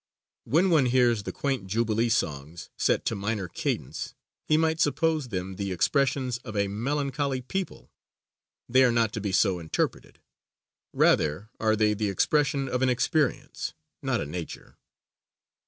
When one hears the quaint jubilee songs, set to minor cadence, he might suppose them the expressions of a melancholy people. They are not to be so interpreted. Rather are they the expression of an experience, not a nature.